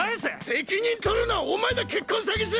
責任とるのはお前だ結婚詐欺師！